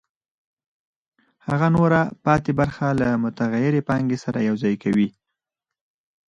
هغه نوره پاتې برخه له متغیرې پانګې سره یوځای کوي